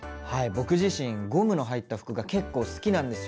僕自身ゴムの入った服が結構好きなんですよね。